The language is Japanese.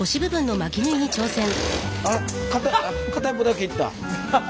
あっ片一方だけ行った。